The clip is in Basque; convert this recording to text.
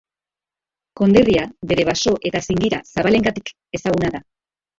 Konderria bere baso eta zingira zabalengatik ezaguna da.